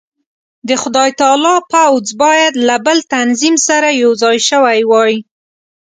د خدای تعالی پوځ باید له بل تنظیم سره یو ځای شوی وای.